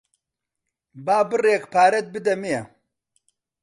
با بڕێک پارەت بدەمێ.